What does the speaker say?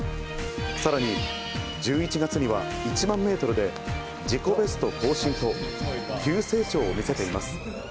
さらに、１１月には１万メートルで自己ベスト更新と、急成長を見せています。